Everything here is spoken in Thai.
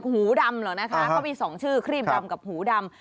หูดำเหรอนะคะเขามี๒ชื่อครีบดำกับหูดำ